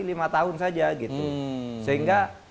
setelah lima tahun saja sehingga